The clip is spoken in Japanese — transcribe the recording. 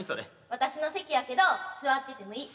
私の席やけど座っててもいい。